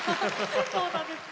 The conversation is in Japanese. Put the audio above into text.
そうなんです。